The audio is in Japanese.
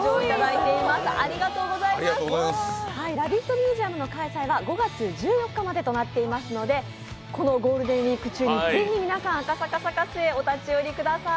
ミュージアムの開催は５月１４日までとなっていますのでこのゴールデンウイーク中にぜひ皆さん、赤坂サカスへお立ち寄りください。